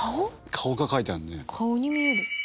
顔に見える。